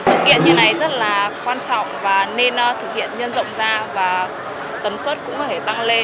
sự kiện như này rất là quan trọng và nên thực hiện nhân rộng ra và tầm suất cũng có thể tăng lên